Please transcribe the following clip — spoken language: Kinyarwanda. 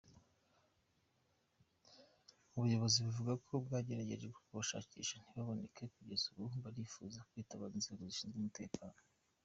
Ubuyobozi buvuga ko bwagerageje kubashakisha ntibaboneka, kugeza ubu barifuza kwitabaza inzego zishinzwe umutekano.